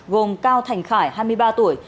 gồm cao thành khải hai mươi ba tuổi